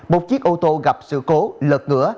một chiếc ô tô gặp sự cố lợt ngửa